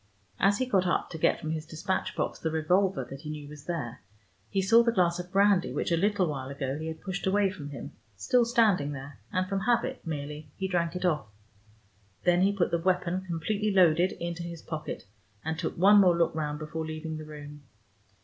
As he got up to get from his despatch box the revolver that he knew was there, he saw the glass of brandy which a little while ago he had pushed away from him, still standing there, and from habit merely he drank it off. Then he put the weapon, completely loaded, into his pocket, and took one more look round before leaving the room.